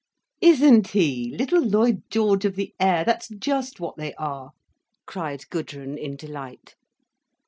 "Isn't he! Little Lloyd George of the air! That's just what they are," cried Gudrun in delight.